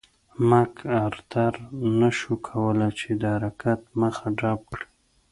مک ارتر نه شوای کولای چې د حرکت مخه ډپ کړي.